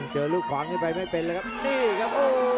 เจอลูกขวางนี้ไปไม่เป็นเลยครับนี่ครับ